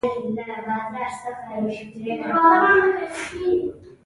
څو ورځې وروسته ما غوښتل.